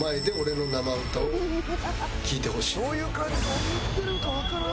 「何言ってるかわからん」